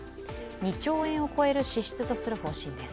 ２兆円を超える支出とする方針です